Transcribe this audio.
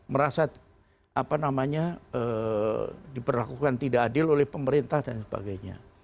merasa apa namanya diperlakukan tidak adil oleh pemerintah dan sebagainya